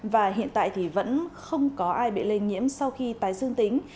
và hiện tại thì vẫn không có ai bị lây nhiễm sau khi tái dương tính